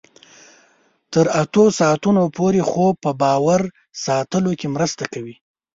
تر اتو ساعتونو پورې خوب په باور ساتلو کې مرسته کوي.